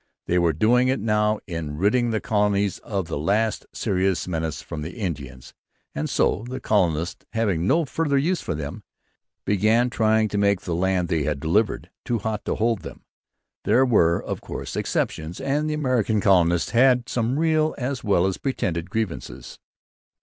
They were doing it now in ridding the colonies of the last serious menace from the Indians. And so the colonists, having no further use for them, began trying to make the land they had delivered too hot to hold them. There were, of course, exceptions; and the American colonists had some real as well as pretended grievances.